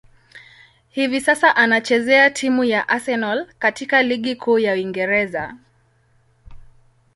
Hivi sasa, anachezea timu ya Arsenal katika ligi kuu ya Uingereza.